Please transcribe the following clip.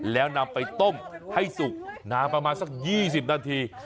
แล้วนำไปต้มให้สุกนานประมาณสัก๒๐นาที